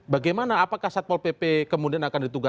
bagaimana kita bisa melakukan kontrak politik